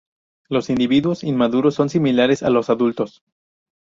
Los individuos inmaduros son similares a los adultos.